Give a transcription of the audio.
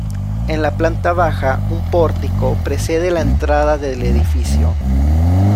En la planta baja, un pórtico precede la entrada del edificio.